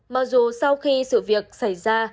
mặc dù sau khi sự việc xảy ra